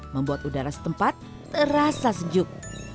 membuat udara setempat terasa sejuk